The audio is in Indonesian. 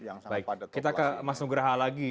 oke baik kita ke mas nugraha lagi